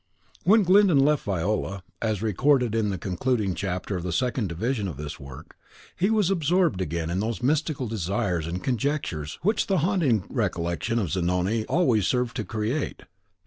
When Glyndon left Viola, as recorded in the concluding chapter of the second division of this work, he was absorbed again in those mystical desires and conjectures which the haunting recollection of Zanoni always served to create.